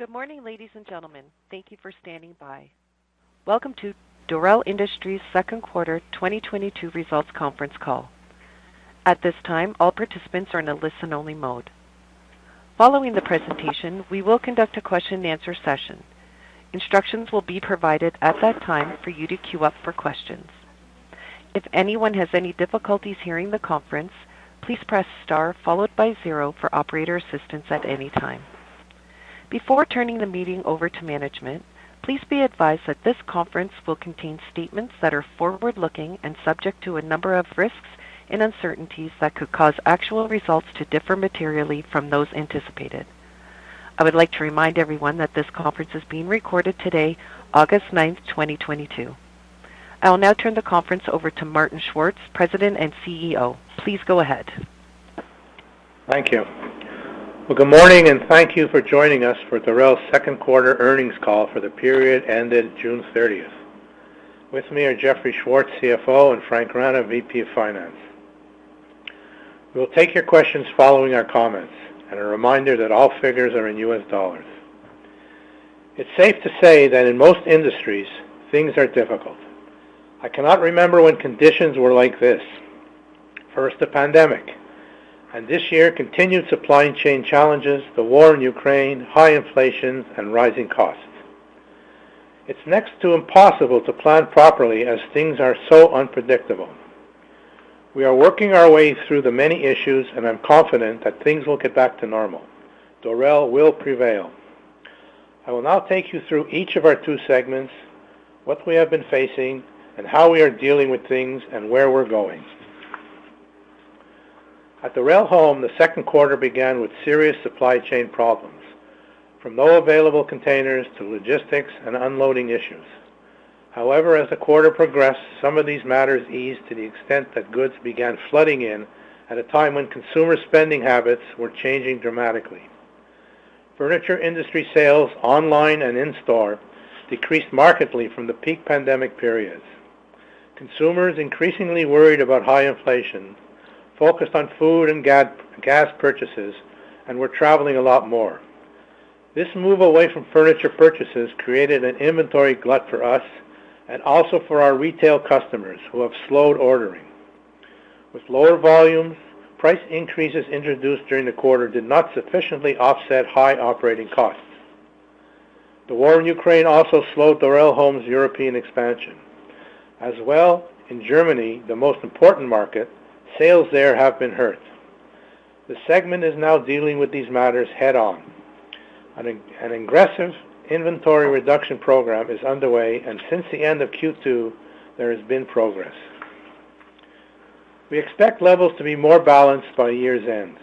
Good morning, ladies and gentlemen. Thank you for standing by. Welcome to Dorel Industries Second Quarter 2022 Results Conference Call. At this time, all participants are in a listen-only mode. Following the presentation, we will conduct a question-and-answer session. Instructions will be provided at that time for you to queue up for questions. If anyone has any difficulties hearing the conference, please press star followed by 0 for operator assistance at any time. Before turning the meeting over to management, please be advised that this conference will contain statements that are forward-looking and subject to a number of risks and uncertainties that could cause actual results to differ materially from those anticipated. I would like to remind everyone that this conference is being recorded today, August 9, 2022. I will now turn the conference over to Martin Schwartz, President and Chief Executive Officer. Please go ahead. Thank you. Well, good morning, and thank you for joining us for Dorel's second quarter earnings call for the period ended June thirtieth. With me are Jeffrey Schwartz, CFO, and Frank Rana, VP of Finance. We will take your questions following our comments, and a reminder that all figures are in U.S. dollars. It's safe to say that in most industries, things are difficult. I cannot remember when conditions were like this. First, the pandemic, and this year, continued supply chain challenges, the war in Ukraine, high inflation, and rising costs. It's next to impossible to plan properly as things are so unpredictable. We are working our way through the many issues, and I'm confident that things will get back to normal. Dorel will prevail. I will now take you through each of our two segments, what we have been facing and how we are dealing with things and where we're going. At Dorel Home, the second quarter began with serious supply chain problems, from no available containers to logistics and unloading issues. However, as the quarter progressed, some of these matters eased to the extent that goods began flooding in at a time when consumer spending habits were changing dramatically. Furniture industry sales online and in-store decreased markedly from the peak pandemic periods. Consumers increasingly worried about high inflation, focused on food and gas purchases, and were traveling a lot more. This move away from furniture purchases created an inventory glut for us and also for our retail customers who have slowed ordering. With lower volumes, price increases introduced during the quarter did not sufficiently offset high operating costs. The war in Ukraine also slowed Dorel Home's European expansion. As well, in Germany, the most important market, sales there have been hurt. The segment is now dealing with these matters head-on. An aggressive inventory reduction program is underway, and since the end of Q2, there has been progress. We expect levels to be more balanced by year's end.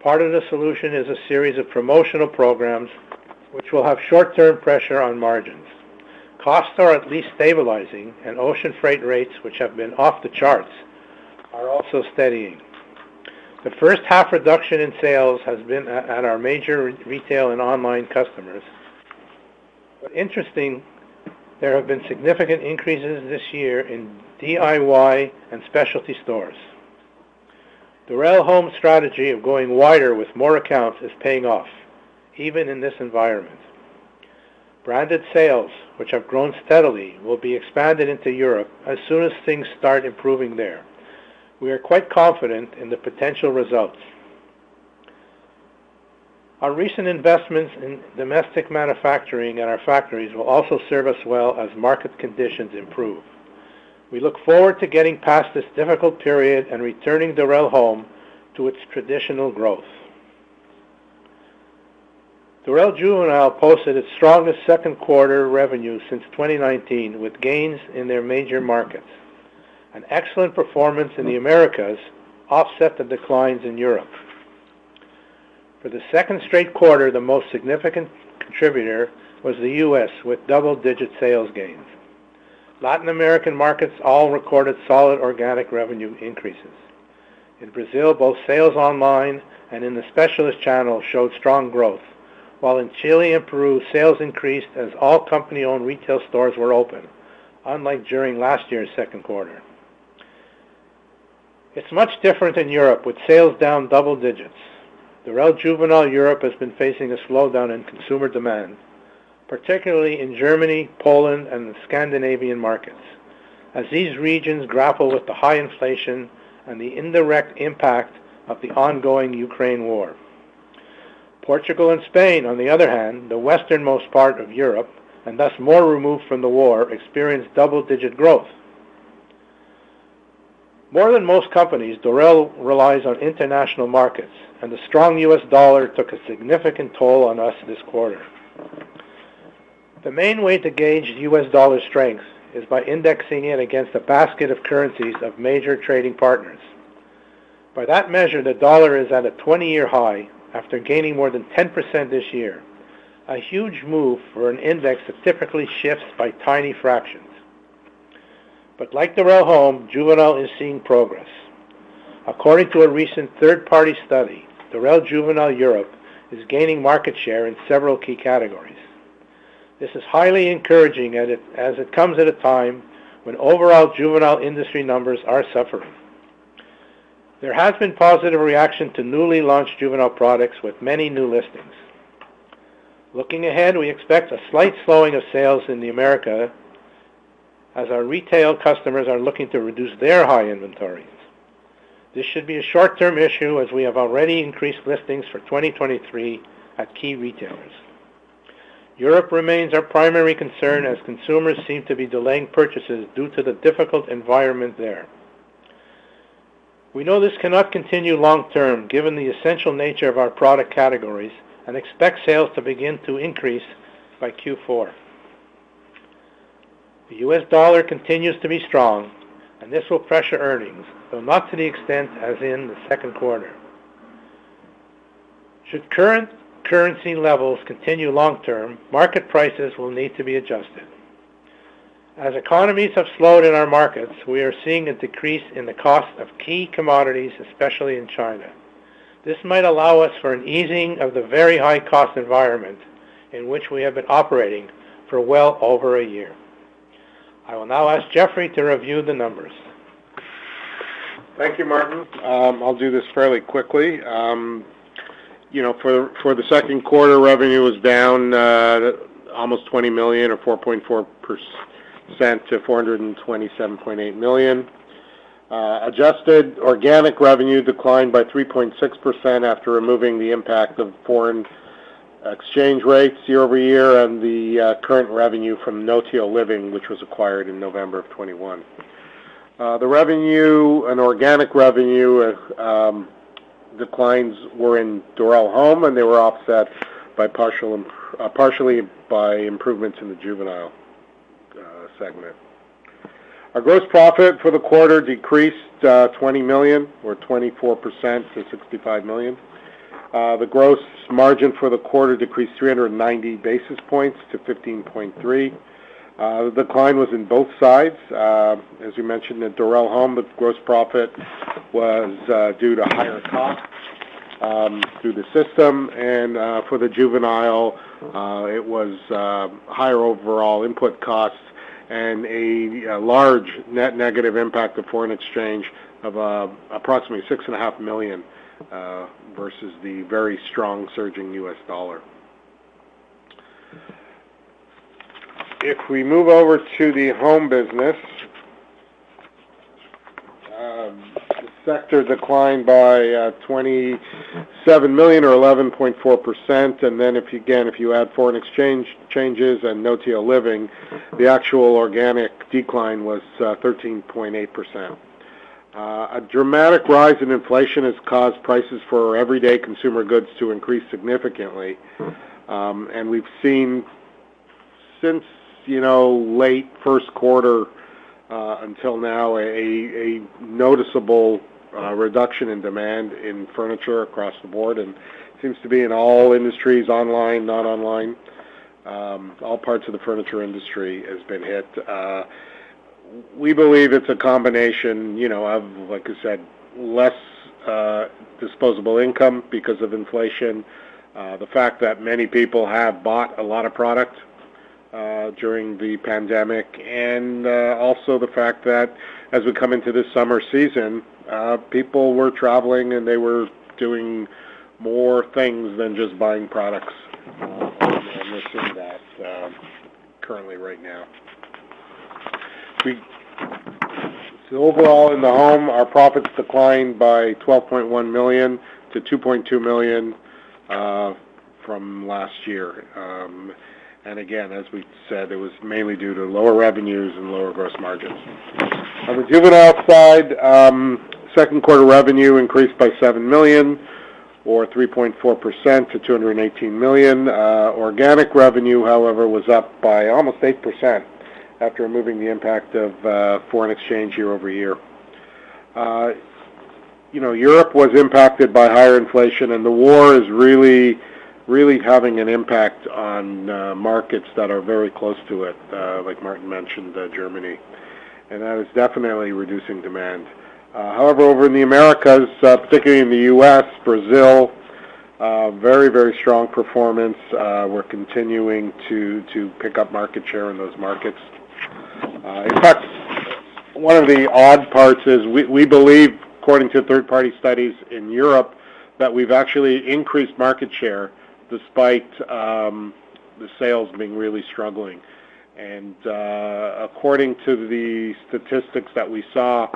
Part of the solution is a series of promotional programs which will have short-term pressure on margins. Costs are at least stabilizing, and ocean freight rates, which have been off the charts, are also steadying. The first half reduction in sales has been at our major retail and online customers. Interesting, there have been significant increases this year in DIY and specialty stores. Dorel Home's strategy of going wider with more accounts is paying off, even in this environment. Branded sales, which have grown steadily, will be expanded into Europe as soon as things start improving there. We are quite confident in the potential results. Our recent investments in domestic manufacturing at our factories will also serve us well as market conditions improve. We look forward to getting past this difficult period and returning Dorel Home to its traditional growth. Dorel Juvenile posted its strongest second quarter revenue since 2019 with gains in their major markets. An excellent performance in the Americas offset the declines in Europe. For the second straight quarter, the most significant contributor was the U.S., with double-digit sales gains. Latin American markets all recorded solid organic revenue increases. In Brazil, both sales online and in the specialist channel showed strong growth, while in Chile and Peru, sales increased as all company-owned retail stores were open, unlike during last year's second quarter. It's much different in Europe, with sales down double-digits. Dorel Juvenile Europe has been facing a slowdown in consumer demand, particularly in Germany, Poland, and the Scandinavian markets, as these regions grapple with the high inflation and the indirect impact of the ongoing Ukraine war. Portugal and Spain, on the other hand, the westernmost part of Europe, and thus more removed from the war, experienced double-digit growth. More than most companies, Dorel relies on international markets, and the strong U.S. dollar took a significant toll on us this quarter. The main way to gauge the U.S. dollar's strength is by indexing it against a basket of currencies of major trading partners. By that measure, the dollar is at a 20-year high after gaining more than 10% this year, a huge move for an index that typically shifts by tiny fractions. Like Dorel Home, Juvenile is seeing progress. According to a recent third-party study, Dorel Juvenile Europe is gaining market share in several key categories. This is highly encouraging as it comes at a time when overall juvenile industry numbers are suffering. There has been positive reaction to newly launched juvenile products with many new listings. Looking ahead, we expect a slight slowing of sales in the Americas as our retail customers are looking to reduce their high inventories. This should be a short-term issue as we have already increased listings for 2023 at key retailers. Europe remains our primary concern as consumers seem to be delaying purchases due to the difficult environment there. We know this cannot continue long term, given the essential nature of our product categories and expect sales to begin to increase by Q4. The U.S. dollar continues to be strong, and this will pressure earnings, though not to the extent as in the second quarter. Should current currency levels continue long term, market prices will need to be adjusted. As economies have slowed in our markets, we are seeing a decrease in the cost of key commodities, especially in China. This might allow us for an easing of the very high-cost environment in which we have been operating for well over a year. I will now ask Jeffrey to review the numbers. Thank you, Martin. I'll do this fairly quickly. You know, for the second quarter, revenue was down almost $20 million or 4.4% to $427.8 million. Adjusted organic revenue declined by 3.6% after removing the impact of foreign exchange rates year-over-year and the current revenue from Notio Living, which was acquired in November of 2021. The revenue and organic revenue declines were in Dorel Home, and they were offset partially by improvements in the Juvenile segment. Our gross profit for the quarter decreased $20 million or 24% to $65 million. The gross margin for the quarter decreased 390 basis points to 15.3%. The decline was in both sides. As you mentioned, at Dorel Home, the gross profit was due to higher costs through the system, and for the Juvenile, it was higher overall input costs and a large net negative impact of foreign exchange of approximately $6.5 million versus the very strong surging U.S. dollar. If we move over to the Home business. The sector declined by $27 million or 11.4%. If you add foreign exchange changes and Notio Living, the actual organic decline was 13.8%. A dramatic rise in inflation has caused prices for everyday consumer goods to increase significantly. We've seen since, you know, late first quarter, until now a noticeable reduction in demand in furniture across the board and seems to be in all industries online, not online. All parts of the furniture industry has been hit. We believe it's a combination, you know, of, like I said, less disposable income because of inflation, the fact that many people have bought a lot of product during the pandemic, and also the fact that as we come into this summer season, people were traveling and they were doing more things than just buying products, and we're seeing that currently right now. Overall, in the Home, our profits declined by $12.1 million to $2.2 million from last year. Again, as we said, it was mainly due to lower revenues and lower gross margins. On the Juvenile side, second quarter revenue increased by $7 million or 3.4% to $218 million. Organic revenue, however, was up by almost 8% after removing the impact of foreign exchange year-over-year. You know, Europe was impacted by higher inflation, and the war is really, really having an impact on markets that are very close to it, like Martin mentioned, Germany, and that is definitely reducing demand. However, over in the Americas, particularly in the U.S., Brazil, very, very strong performance. We're continuing to pick up market share in those markets. In fact, one of the odd parts is we believe, according to third-party studies in Europe, that we've actually increased market share despite the sales being really struggling. According to the statistics that we saw,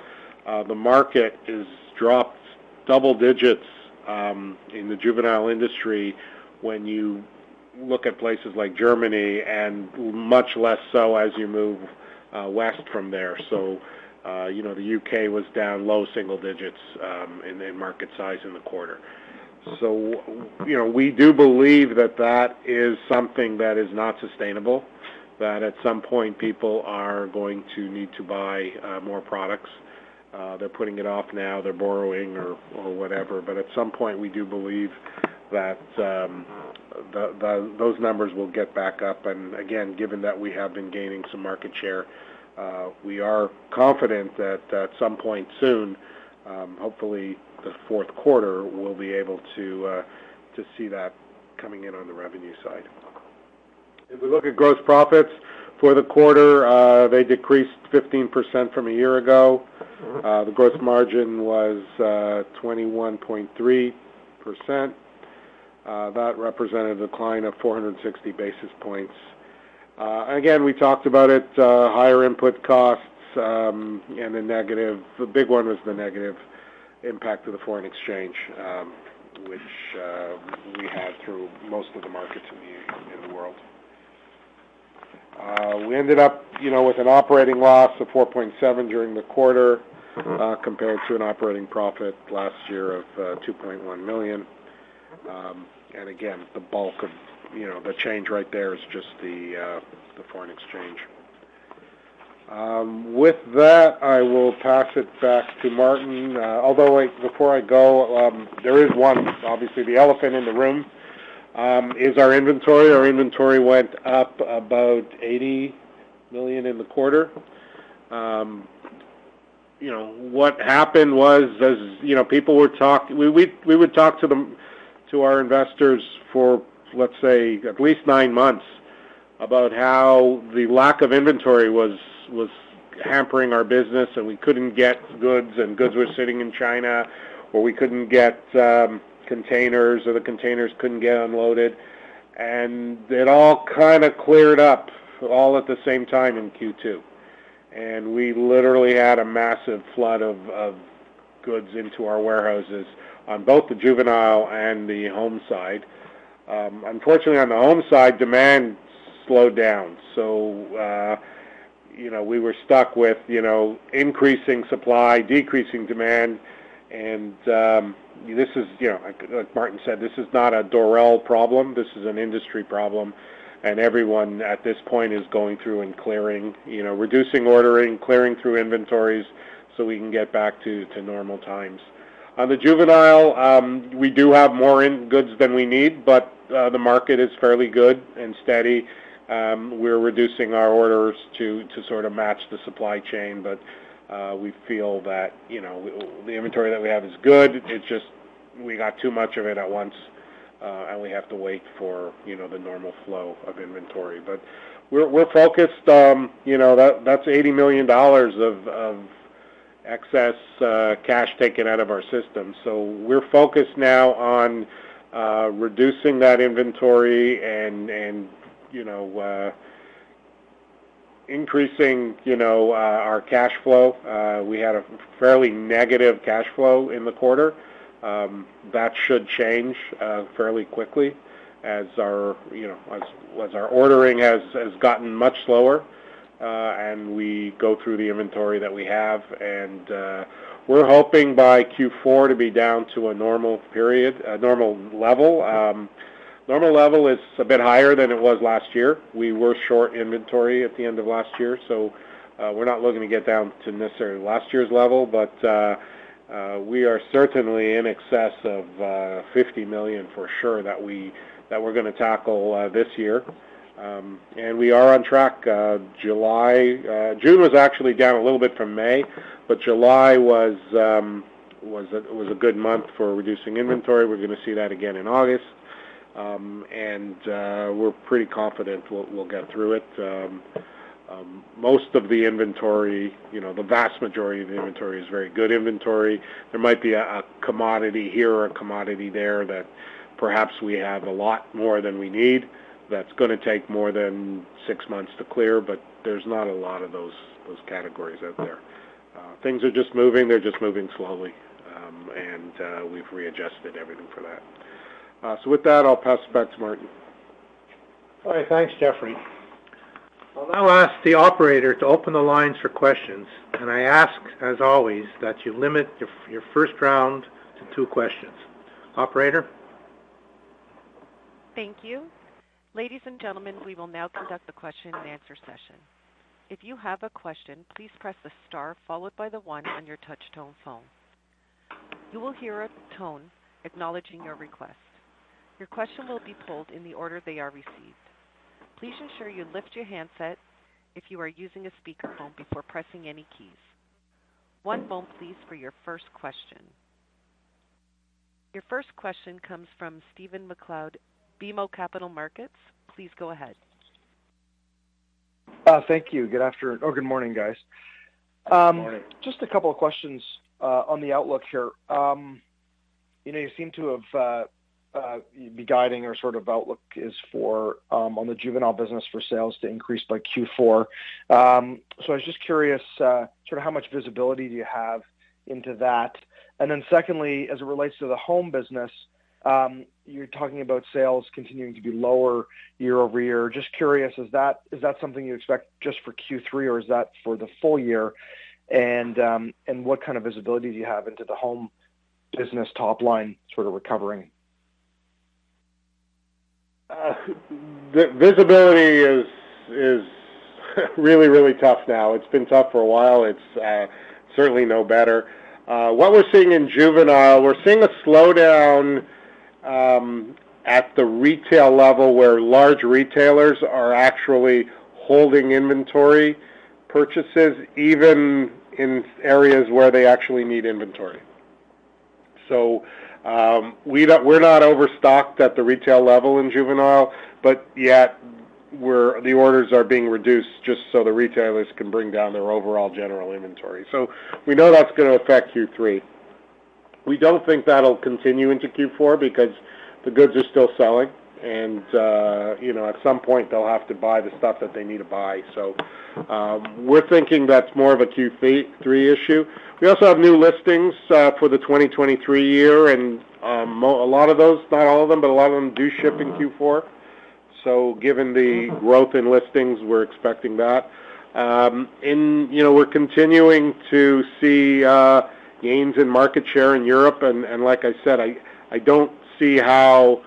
the market is dropped double-digits in the Juvenile industry when you look at places like Germany and much less so as you move west from there. You know, the U.K. was down low single digits in the market size in the quarter. You know, we do believe that is something that is not sustainable, that at some point, people are going to need to buy more products. They're putting it off now, they're borrowing or whatever, but at some point, we do believe that those numbers will get back up. Again, given that we have been gaining some market share, we are confident that at some point soon, hopefully the fourth quarter, we'll be able to to see that coming in on the revenue side. If we look at gross profits for the quarter, they decreased 15% from a year ago. The gross margin was 21.3%. That represented a decline of 460 basis points. Again, we talked about it, higher input costs, and the big one was the negative impact of the foreign exchange, which we had through most of the markets in the world. We ended up, you know, with an operating loss of $4.7 million during the quarter, compared to an operating profit last year of $2.1 million. Again, the bulk of, you know, the change right there is just the foreign exchange. With that, I will pass it back to Martin. Although before I go, there is one, obviously the elephant in the room is our inventory. Our inventory went up about $80 million in the quarter. You know, what happened was, as you know, we would talk to our investors for, let's say, at least nine months about how the lack of inventory was hampering our business, and we couldn't get goods, and goods were sitting in China, or we couldn't get containers, or the containers couldn't get unloaded. It all kind of cleared up all at the same time in Q2. We literally had a massive flood of goods into our warehouses on both the juvenile and the home side. Unfortunately on the home side, demand slowed down. You know, we were stuck with you know, increasing supply, decreasing demand. This is, you know, like Martin said, this is not a Dorel problem. This is an industry problem. Everyone at this point is going through and clearing, you know, reducing ordering, clearing through inventories so we can get back to normal times. On the juvenile, we do have more end goods than we need, but the market is fairly good and steady. We're reducing our orders to sort of match the supply chain. But we feel that, you know, the inventory that we have is good. It's just we got too much of it at once, and we have to wait for, you know, the normal flow of inventory. We're focused. You know, that's $80 million of excess cash taken out of our system. We're focused now on reducing that inventory and, you know, increasing, you know, our cash flow. We had a fairly negative cash flow in the quarter. That should change fairly quickly as our, you know, as our ordering has gotten much slower, and we go through the inventory that we have. We're hoping by Q4 to be down to a normal period, a normal level. Normal level is a bit higher than it was last year. We were short inventory at the end of last year, so we're not looking to get down to necessarily last year's level. We are certainly in excess of $50 million for sure that we're gonna tackle this year. We are on track. June was actually down a little bit from May, but July was a good month for reducing inventory. We're gonna see that again in August. We're pretty confident we'll get through it. Most of the inventory, you know, the vast majority of the inventory is very good inventory. There might be a commodity here or a commodity there that perhaps we have a lot more than we need that's gonna take more than six months to clear, but there's not a lot of those categories out there. Things are just moving. They're just moving slowly. We've readjusted everything for that. With that, I'll pass it back to Martin. All right. Thanks, Jeffrey. I'll now ask the operator to open the lines for questions, and I ask, as always, that you limit your first round to two questions. Operator? Thank you. Ladies and gentlemen, we will now conduct the question and answer session. If you have a question, please press the star followed by the one on your touchtone phone. You will hear a tone acknowledging your request. Your question will be pulled in the order they are received. Please ensure you lift your handset if you are using a speakerphone before pressing any keys. One moment please for your first question. Your first question comes from Stephen MacLeod, BMO Capital Markets. Please go ahead. Thank you. Good afternoon, or good morning, guys. Good morning. Just a couple of questions on the outlook here. You know, you seem to be guiding for sort of an outlook for sales to increase by Q4 in the juvenile business. I was just curious, sort of how much visibility do you have into that? Secondly, as it relates to the home business, you're talking about sales continuing to be lower year-over-year. Just curious, is that something you expect just for Q3, or is that for the full year? What kind of visibility do you have into the home business top line sort of recovering? The visibility is really tough now. It's been tough for a while. It's certainly no better. What we're seeing in juvenile, a slowdown at the retail level where large retailers are actually holding inventory purchases even in areas where they actually need inventory. We're not overstocked at the retail level in juvenile, but yet the orders are being reduced just so the retailers can bring down their overall general inventory. We know that's gonna affect Q3. We don't think that'll continue into Q4 because the goods are still selling and, you know, at some point they'll have to buy the stuff that they need to buy. We're thinking that's more of a Q3 issue. We also have new listings for the 2023 year, and a lot of those, not all of them, but a lot of them do ship in Q4. Given the growth in listings, we're expecting that. You know, we're continuing to see gains in market share in Europe. Like I said, I don't see how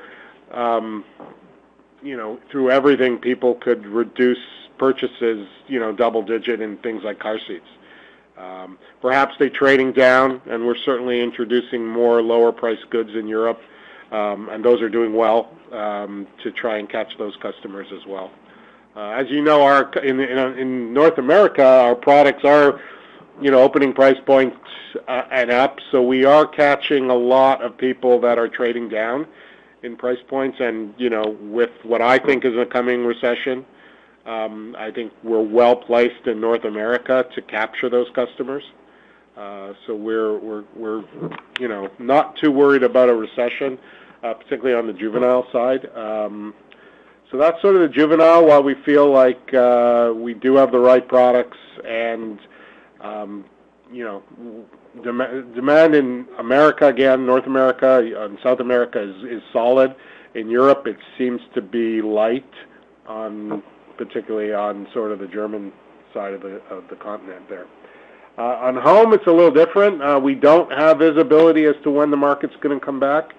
you know, through everything, people could reduce purchases, you know, double-digit in things like car seats. Perhaps they're trading down, and we're certainly introducing more lower-priced goods in Europe, and those are doing well to try and catch those customers as well. As you know, in North America, our products are you know, opening price points and up. We are catching a lot of people that are trading down in price points. You know, with what I think is a coming recession, I think we're well-placed in North America to capture those customers. We're you know, not too worried about a recession, particularly on the juvenile side. That's sort of the juvenile. While we feel like we do have the right products and, you know, demand in America, again, North America and South America is solid. In Europe, it seems to be light, particularly on sort of the German side of the continent there. On home, it's a little different. We don't have visibility as to when the market's gonna come back.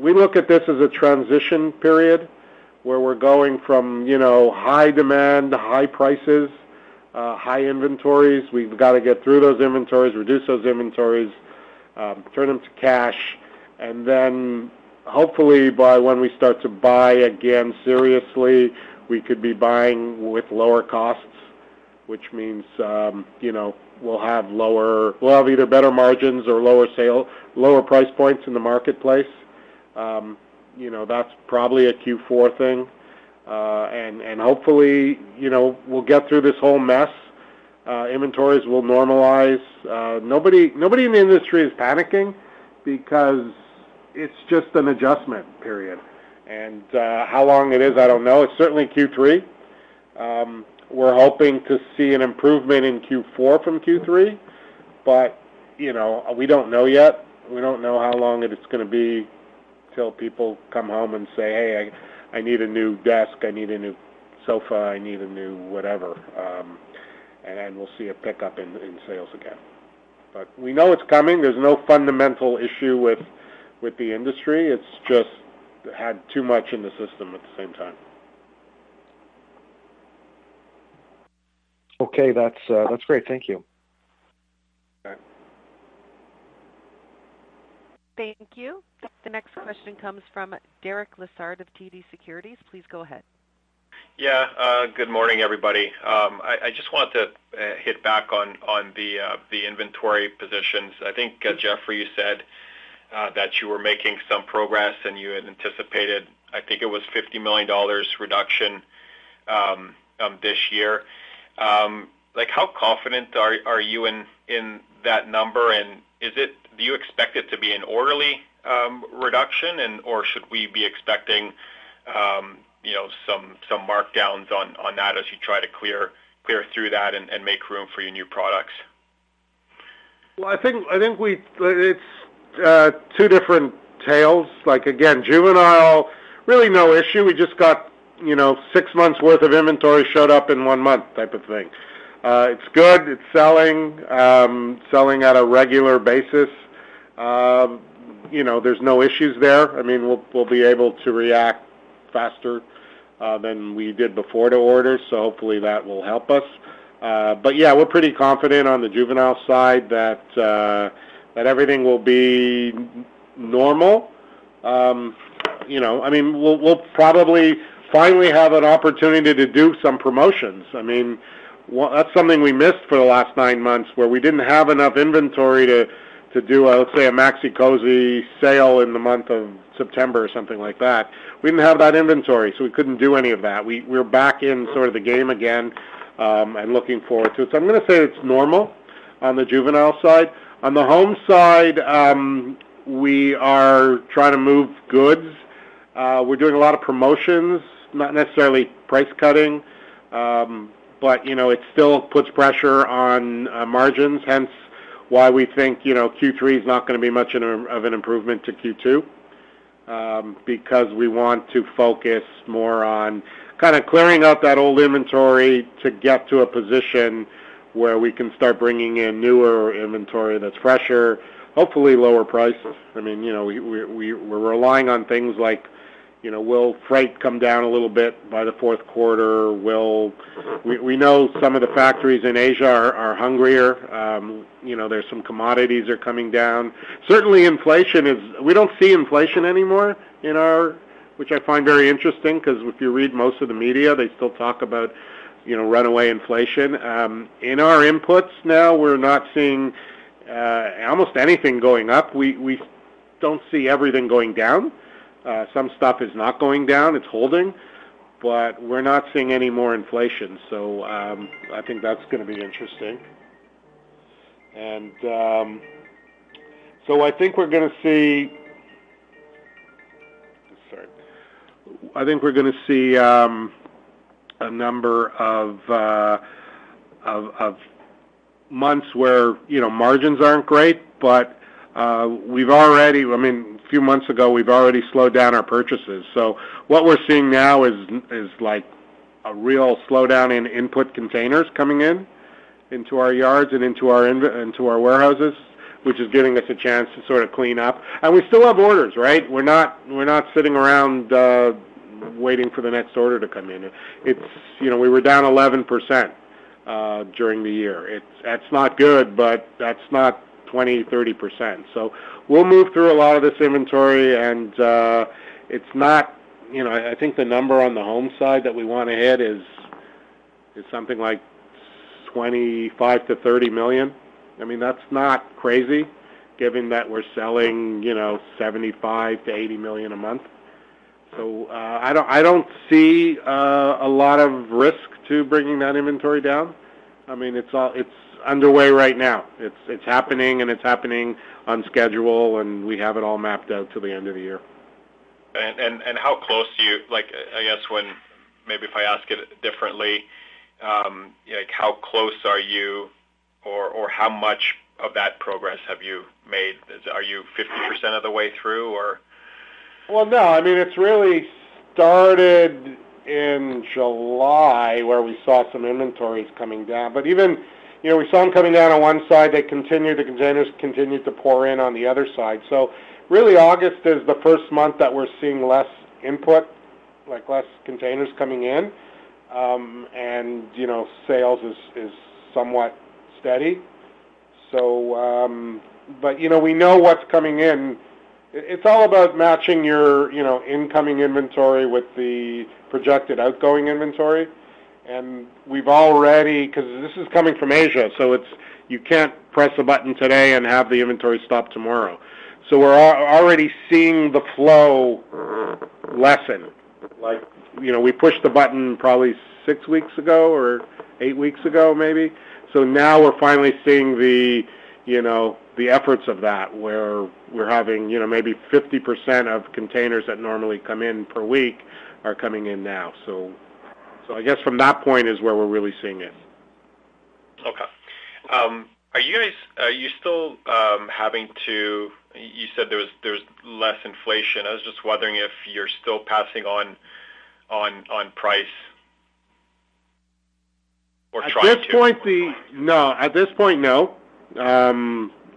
We look at this as a transition period where we're going from, you know, high demand to high prices, high inventories. We've got to get through those inventories, reduce those inventories, turn them to cash, and then hopefully by when we start to buy again, seriously, we could be buying with lower costs, which means, you know, we'll have either better margins or lower price points in the marketplace. You know, that's probably a Q4 thing. Hopefully, you know, we'll get through this whole mess. Inventories will normalize. Nobody in the industry is panicking because it's just an adjustment period. How long it is, I don't know. It's certainly Q3. We're hoping to see an improvement in Q4 from Q3, but, you know, we don't know yet. We don't know how long it is gonna be till people come home and say, "Hey, I need a new desk, I need a new sofa, I need a new whatever," and we'll see a pickup in sales again. We know it's coming. There's no fundamental issue with the industry. It's just had too much in the system at the same time. Okay. That's great. Thank you. Okay. Thank you. The next question comes from Derek Lessard of TD Securities. Please go ahead. Yeah. Good morning, everybody. I just want to hit back on the inventory positions. I think, Jeffrey, you said that you were making some progress and you had anticipated, I think it was $50 million reduction this year. Like, how confident are you in that number? And is it, do you expect it to be an orderly reduction, or should we be expecting, you know, some markdowns on that as you try to clear through that and make room for your new products? Well, I think we—it's two different tales. Like, again, juvenile, really no issue. We just got, you know, six months worth of inventory showed up in one month type of thing. It's good. It's selling at a regular basis. You know, there's no issues there. I mean, we'll be able to react faster than we did before to order. Hopefully that will help us. But yeah, we're pretty confident on the juvenile side that everything will be normal. You know, I mean, we'll probably finally have an opportunity to do some promotions. I mean, that's something we missed for the last nine months, where we didn't have enough inventory to do, let's say, a Maxi-Cosi sale in the month of September or something like that. We didn't have that inventory, so we couldn't do any of that. We're back in sort of the game again, and looking forward to it. I'm gonna say it's normal on the juvenile side. On the home side, we are trying to move goods. We're doing a lot of promotions, not necessarily price cutting. You know, it still puts pressure on margins, hence why we think, you know, Q3 is not gonna be much of an improvement to Q2, because we want to focus more on kinda clearing out that old inventory to get to a position where we can start bringing in newer inventory that's fresher, hopefully lower prices. I mean, you know, we're relying on things like, you know, will freight come down a little bit by the fourth quarter? We know some of the factories in Asia are hungrier. You know, there are some commodities coming down. Certainly, we don't see inflation anymore in our inputs, which I find very interesting, 'cause if you read most of the media, they still talk about, you know, runaway inflation. In our inputs now, we're not seeing almost anything going up. We don't see everything going down. Some stuff is not going down, it's holding, but we're not seeing any more inflation. I think that's gonna be interesting. I think we're gonna see a number of months where, you know, margins aren't great, but I mean, a few months ago, we've already slowed down our purchases. What we're seeing now is like a real slowdown in input containers coming in, into our yards and into our warehouses, which is giving us a chance to sort of clean up. We still have orders, right? We're not sitting around waiting for the next order to come in. It's, you know, we were down 11% during the year. That's not good, but that's not 20%-30%. We'll move through a lot of this inventory. It's not, you know, I think the number on the home side that we wanna hit is something like $25 million-$30 million. I mean, that's not crazy given that we're selling, you know, $75 million-$80 million a month. I don't see a lot of risk to bringing that inventory down. I mean, it's underway right now. It's happening, and it's happening on schedule, and we have it all mapped out till the end of the year. How close are you or how much of that progress have you made? Are you 50% of the way through or? Well, no, I mean, it's really started in July, where we saw some inventories coming down. Even, you know, we saw them coming down on one side, they continued, the containers continued to pour in on the other side. Really, August is the first month that we're seeing less input, like, less containers coming in. You know, sales is somewhat steady. You know, we know what's coming in. It's all about matching your, you know, incoming inventory with the projected outgoing inventory. We've already, 'cause this is coming from Asia, so it's, you can't press a button today and have the inventory stop tomorrow. We're already seeing the flow lessen. Like, you know, we pushed the button probably six weeks ago or eight weeks ago maybe. Now we're finally seeing the, you know, the efforts of that, where we're having, you know, maybe 50% of containers that normally come in per week are coming in now. So I guess from that point is where we're really seeing it. Okay. Are you still having to? You said there's less inflation. I was just wondering if you're still passing on price or trying to. At this point, no.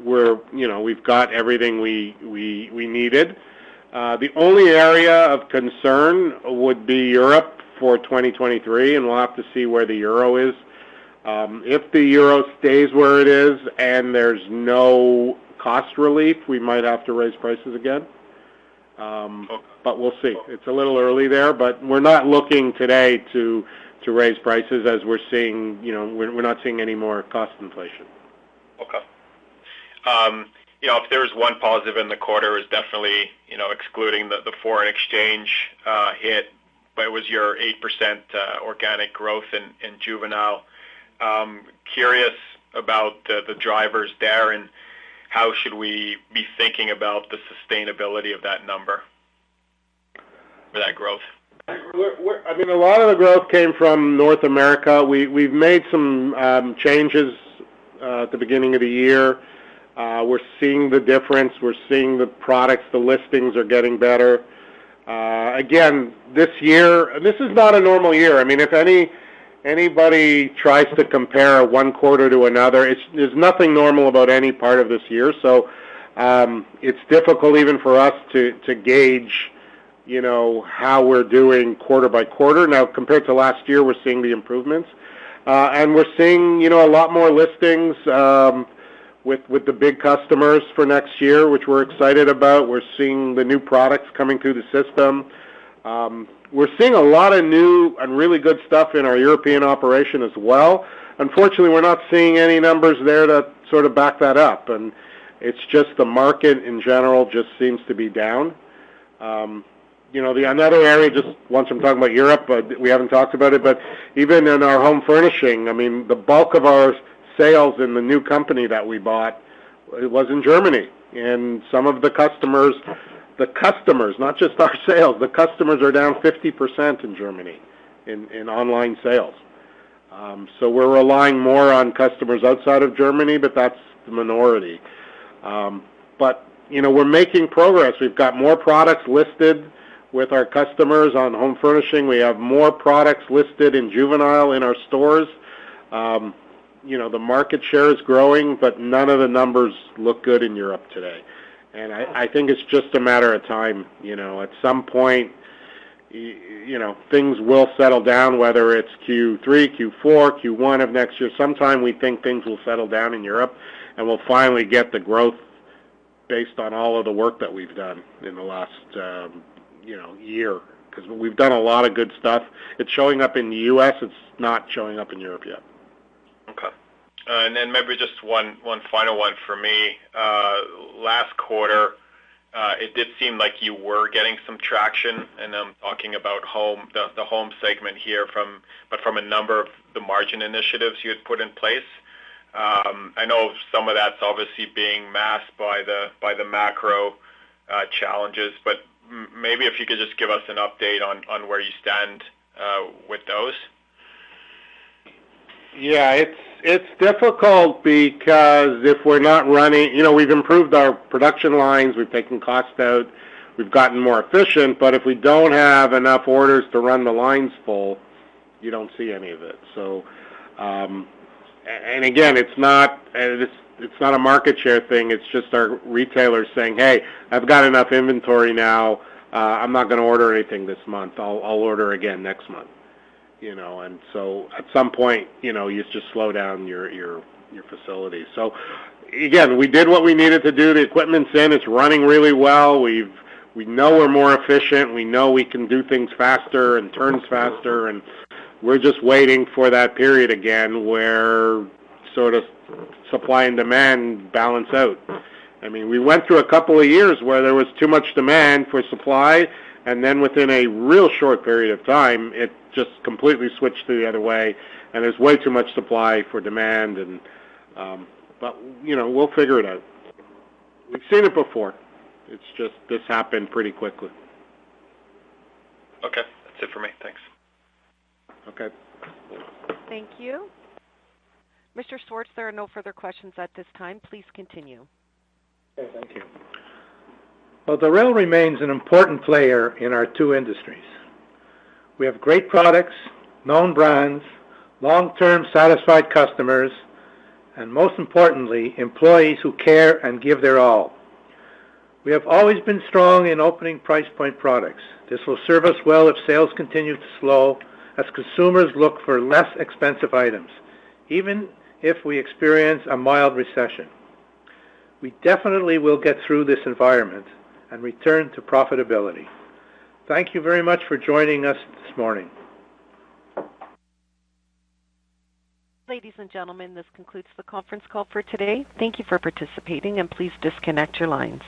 We're, you know, we've got everything we needed. The only area of concern would be Europe for 2023, and we'll have to see where the euro is. If the euro stays where it is and there's no cost relief, we might have to raise prices again. But we'll see. It's a little early there, but we're not looking today to raise prices as we're seeing, you know, we're not seeing any more cost inflation. Okay. You know, if there was one positive in the quarter, it's definitely, you know, excluding the foreign exchange hit. It was your 8% organic growth in juvenile. Curious about the drivers there and how should we be thinking about the sustainability of that number for that growth? I mean, a lot of the growth came from North America. We've made some changes at the beginning of the year. We're seeing the difference. We're seeing the products. The listings are getting better. Again, this year, this is not a normal year. I mean, if anybody tries to compare one quarter to another, it's. There's nothing normal about any part of this year. It's difficult even for us to gauge, you know, how we're doing quarter-by-quarter. Now, compared to last year, we're seeing the improvements. We're seeing, you know, a lot more listings with the big customers for next year, which we're excited about. We're seeing the new products coming through the system. We're seeing a lot of new and really good stuff in our European operation as well. Unfortunately, we're not seeing any numbers there to sort of back that up, and it's just the market in general just seems to be down. You know, another area, just one I'm talking about Europe, but we haven't talked about it. Even in our home furnishings, I mean, the bulk of our sales in the new company that we bought, it was in Germany. Some of the customers, not just our sales, the customers are down 50% in Germany in online sales. We're relying more on customers outside of Germany, but that's the minority. You know, we're making progress. We've got more products listed with our customers on home furnishings. We have more products listed in juvenile in our stores. You know, the market share is growing, but none of the numbers look good in Europe today. I think it's just a matter of time. You know, at some point, you know, things will settle down, whether it's Q3, Q4, Q1 of next year. Sometime we think things will settle down in Europe, and we'll finally get the growth. Based on all of the work that we've done in the last, you know, year, 'cause we've done a lot of good stuff. It's showing up in the US. It's not showing up in Europe yet. Okay. Then maybe just one final one for me. Last quarter, it did seem like you were getting some traction, and I'm talking about the home segment here from a number of the margin initiatives you had put in place. I know some of that's obviously being masked by the macro challenges, but maybe if you could just give us an update on where you stand with those. Yeah. It's difficult because if we're not running. You know, we've improved our production lines. We've taken costs out. We've gotten more efficient. If we don't have enough orders to run the lines full, you don't see any of it. Again, it's not a market share thing. It's just our retailers saying, "Hey, I've got enough inventory now. I'm not gonna order anything this month. I'll order again next month." You know, at some point, you know, you just slow down your facility. Again, we did what we needed to do. The equipment's in. It's running really well. We know we're more efficient. We know we can do things faster and turns faster, and we're just waiting for that period again where sort of supply and demand balance out. I mean, we went through a couple of years where there was too much demand for supply, and then within a real short period of time, it just completely switched the other way, and there's way too much supply for demand. You know, we'll figure it out. We've seen it before. It's just this happened pretty quickly. Okay. That's it for me. Thanks. Okay. Thank you. Mr. Schwartz, there are no further questions at this time. Please continue. Okay, thank you. Well, Dorel remains an important player in our two industries. We have great products, known brands, long-term satisfied customers, and most importantly, employees who care and give their all. We have always been strong in opening price point products. This will serve us well if sales continue to slow as consumers look for less expensive items, even if we experience a mild recession. We definitely will get through this environment and return to profitability. Thank you very much for joining us this morning. Ladies and gentlemen, this concludes the conference call for today. Thank you for participating, and please disconnect your lines.